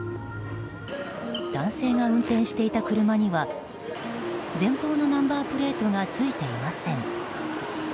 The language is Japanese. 男性が運転していた車には前方のナンバープレートがついていません。